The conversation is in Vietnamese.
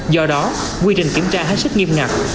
do đó quy định kiểm tra hết sức nghiêm ngặt